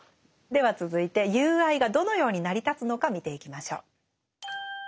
では続いて友愛がどのように成り立つのか見ていきましょう。